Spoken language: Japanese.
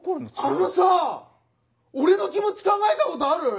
あのさあ俺の気持ち考えたことある？